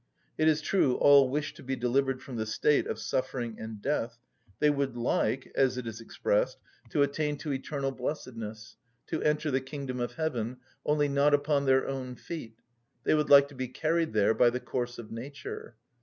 It is true all wish to be delivered from the state of suffering and death; they would like, as it is expressed, to attain to eternal blessedness, to enter the kingdom of heaven, only not upon their own feet; they would like to be carried there by the course of nature.